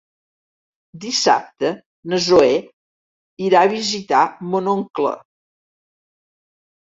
Dissabte na Zoè irà a visitar mon oncle.